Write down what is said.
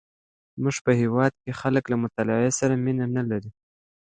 زمونږ په هیواد کې خلک له مطالعې سره مینه نه لري.